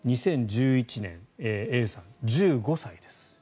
２０１１年、Ａさん１５歳です。